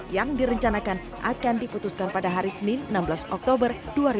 yang direncanakan akan diputuskan pada hari senin enam belas oktober dua ribu dua puluh